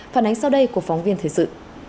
phản ánh sau đây của phóng viên thế sự